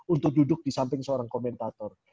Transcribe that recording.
untuk duduk di samping seorang komentator